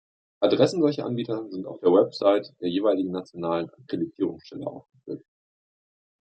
Adressen solcher Anbieter sind auf den Web-Sites der jeweiligen nationalen Akkreditierungsstelle aufgeführt.